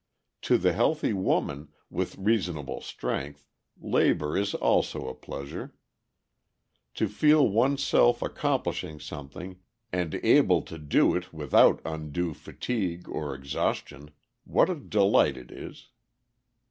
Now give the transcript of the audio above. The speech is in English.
To the healthy woman, with reasonable strength, labor is also a pleasure. To feel one's self accomplishing something, and able to do it without undue fatigue or exhaustion, what a delight it is!